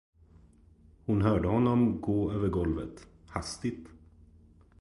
Hon hörde honom gå över golvet, hastigt.